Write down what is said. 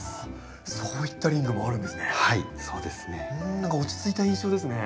何か落ち着いた印象ですね。